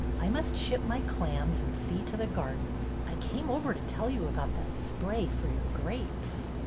I must ship my clams and see to the garden. I came over to tell you about that spray for your grapes."